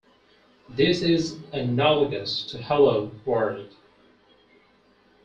This is analogous to Hello, World!